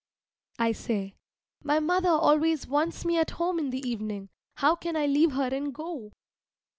I say, "My mother always wants me at home in the evening how can I leave her and go?"